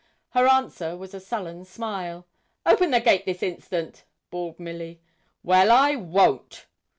Her answer was a sullen smile. 'Open the gate this instant!' bawled Milly. 'Well, I _won't.